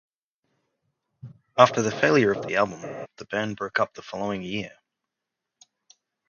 After the failure of the album, the band broke up the following year.